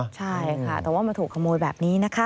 ใช่ค่ะแต่ว่ามาถูกขโมยแบบนี้นะคะ